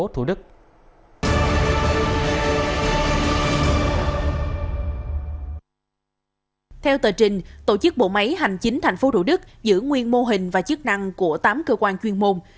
theo tờ trình tổ chức bộ máy hành chính tp thủ đức giữ nguyên mô hình và chức năng của tám cơ quan chuyên môn